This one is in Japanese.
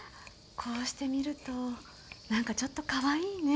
こうして見ると何かちょっとカワイイね。